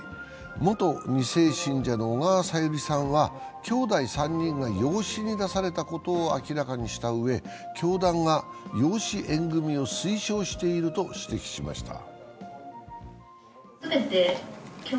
元２世信者の小川さゆりさんはきょうだい３人が養子に出されたことを明らかにしたうえで教団が、養子縁組を推奨していると指摘しました。